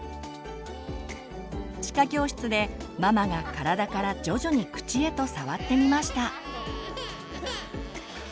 歯科教室でママが体から徐々に口へと触ってみました。